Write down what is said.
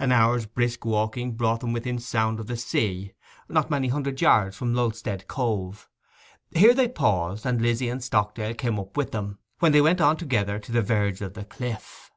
An hour's brisk walking brought them within sound of the sea, not many hundred yards from Lulstead Cove. Here they paused, and Lizzy and Stockdale came up with them, when they went on together to the verge of the cliff.